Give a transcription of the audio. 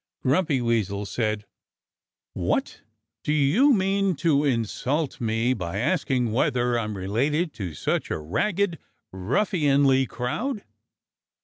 Grumpy Weasel said, "What! Do you mean to insult me by asking whether I'm related to such a ragged, ruffianly crowd?"